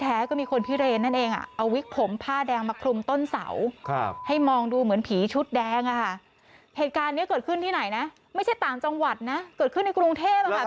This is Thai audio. อันตรายการนี้เกิดขึ้นที่ไหนนะไม่ใช่ต่างจังหวัดนะเกิดขึ้นในกรุงเทพฯค่ะพี่เบิร์ด